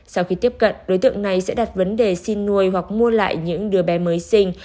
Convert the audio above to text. sau khi tiếp cận đối tượng này sẽ đặt vấn đề xin nuôi hoặc mua lại những đứa bé mới sinh